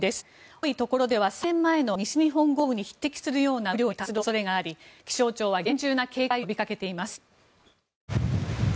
多いところでは３年前の西日本豪雨に匹敵するような雨量に達する恐れがあり気象庁は厳重な警戒を呼びかけています。